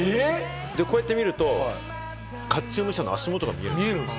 こうやって見ると、甲冑武者の足元が見えるんです。